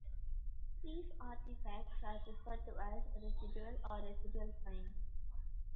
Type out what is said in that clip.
These artifacts are referred to as "residual" or "residual finds".